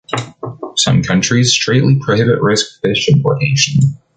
Some countries straightly prohibit risk fish importation.